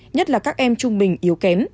nhất là các em trung bình yếu kém